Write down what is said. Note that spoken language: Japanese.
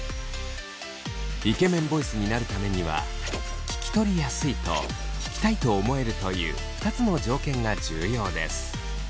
イケメンボイスになるためには聞き取りやすいと聞きたいと思えるという２つの条件が重要です。